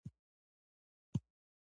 قران د ګڼو مذهبي احکامو کتاب دی.